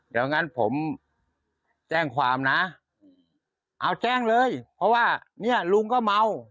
เดี๋ยวงั้นผมแจ้งความนะเอาแจ้งเลยเพราะว่าเนี่ยลุงก็เมา